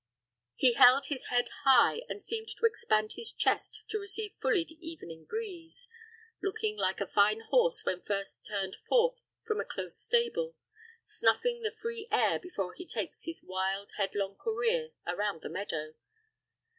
He held his head high, and seemed to expand his chest to receive fully the evening breeze, looking like a fine horse when first turned forth from a close stable, snuffing the free air before he takes his wild, headlong career around the meadow.